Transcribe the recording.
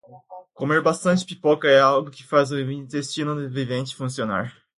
Comer bastante pipoca é algo que faz o intestino do vivente funcionar.